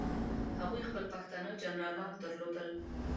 هغوی خپل پښتانه جنرالان درلودل.